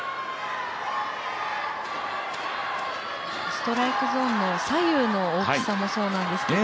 ストライクゾーンの左右の大きさもそうなんですけど